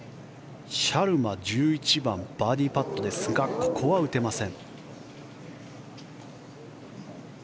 シャルマ、１１番バーディーパットですがここは打てません。